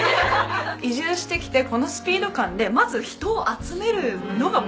移住してきてこのスピード感でまず人を集めるのがものすごい。